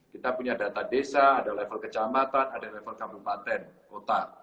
kita punya data desa ada level kecamatan ada level kabupaten kota